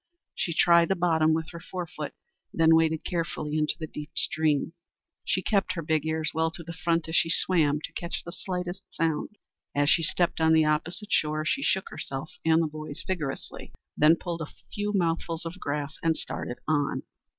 She tried the bottom with her forefoot, then waded carefully into the deep stream. She kept her big ears well to the front as she swam, to catch the slightest sound. As she stepped on the opposite shore, she shook herself and the boys vigorously, then pulled a few mouthfuls of grass and started on.